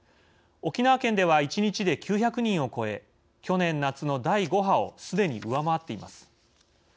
沖縄県では１日で９００人を超え去年夏の第５波をすでに上回っています。